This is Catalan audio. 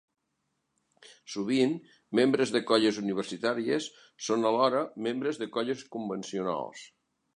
Sovint, membres de colles universitàries són, alhora, membres de colles convencionals.